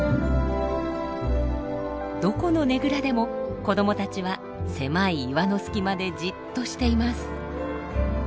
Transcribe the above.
どこのねぐらでも子どもたちは狭い岩の隙間でじっとしています。